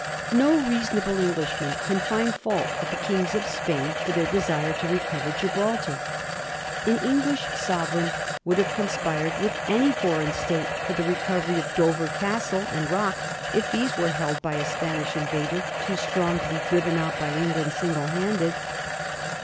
No reasonable Englishman can find fault with the Kings of Spain for their desire to recover Gibraltar. An English sovereign would have conspired with any foreign State for the re covery of Dover Castle and rock if these were held by a Spanish invader too strong to be driven out by England single handed.